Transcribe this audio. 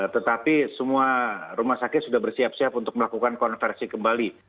tetapi semua rumah sakit sudah bersiap siap untuk melakukan konversi kembali